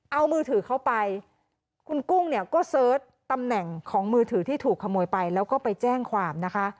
เอามือถือเข้าไปคุณกุ้งเนี่ยก็เสิร์ชตำแหน่งของมือถือที่ถูกขโมยไปแล้วก็ไปแจ้งความนะคะ